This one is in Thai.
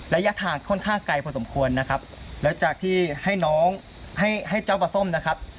ระยะทางค่อนข้างไกลพอสมควรนะครับแล้วจากที่ให้น้องให้ให้เจ้าปลาส้มนะครับ